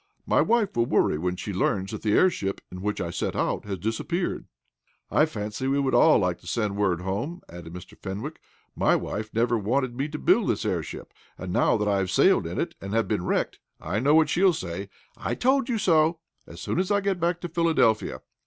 My wife will worry when she learns that the airship, in which I set out, has disappeared." "I fancy we all would like to send word home," added Mr. Fenwick. "My wife never wanted me to build this airship, and, now that I have sailed in it, and have been wrecked, I know she'll say 'I told you so,' as soon as I get back to Philadelphia."